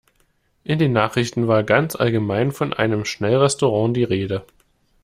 In den Nachrichten war ganz allgemein von einem Schnellrestaurant die Rede.